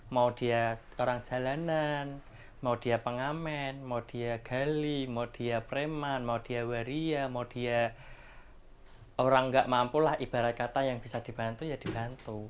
mau dia orang jalanan pengamen gali preman waria orang tidak mampu ibarat kata yang bisa dibantu ya dibantu